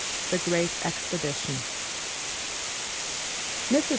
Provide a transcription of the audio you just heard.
The Great Expedition MRS.